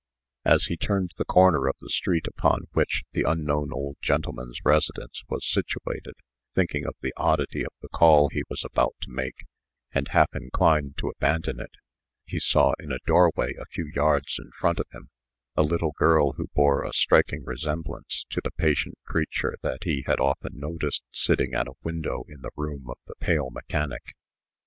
As 'he turned the corner of the street upon which the unknown old gentleman's residence was situated, thinking of the oddity of the call he was about to make, and half inclined to abandon it, he saw, in a doorway a few yards in front of him, a little girl who bore a striking resemblance to the patient creature that he had often noticed sitting at a window in the room of the pale mechanic.